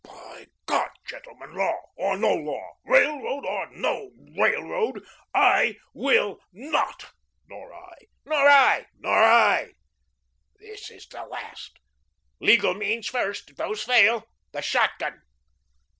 By God, gentlemen, law or no law, railroad or no railroad, I WILL NOT." "Nor I." "Nor I." "Nor I." "This is the last. Legal means first; if those fail the shotgun."